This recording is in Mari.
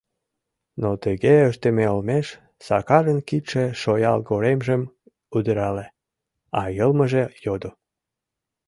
Но тыге ыштыме олмеш Сакарын кидше шоягоремжым удырале, а йылмыже йодо: